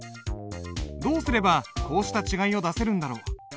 どうすればこうした違いを出せるんだろう。